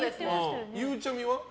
ゆうちゃみは？